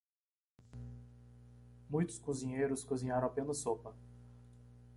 Muitos cozinheiros cozinharam apenas sopa.